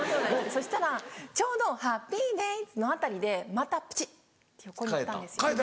そしたらちょうど ＨａｐｐｙＤａｙｓ のあたりでまたプチって横に行ったんですよ。